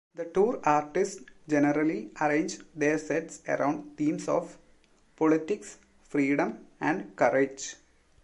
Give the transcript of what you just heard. The tour artists generally arranged their sets around themes of politics, freedom, and courage.